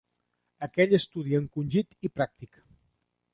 Aquell estudi encongit i pràctic